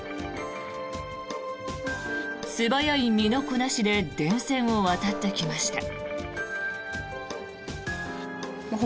素早い身のこなしで電線を渡ってきました。